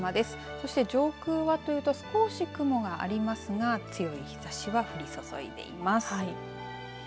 そして上空はというと少し雲がありますが強い日ざしは降り注いでいます。